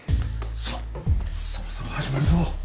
さあそろそろ始まるぞ。